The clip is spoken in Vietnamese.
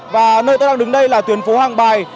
và nơi tôi đang đứng đây là tuyến phố hàng bài